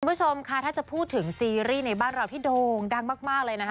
คุณผู้ชมค่ะถ้าจะพูดถึงซีรีส์ในบ้านเราที่โด่งดังมากเลยนะคะ